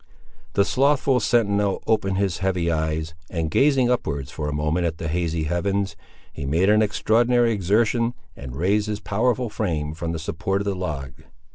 The slothful sentinel opened his heavy eyes, and gazing upward for a moment at the hazy heavens, he made an extraordinary exertion, and raised his powerful frame from the support of the log.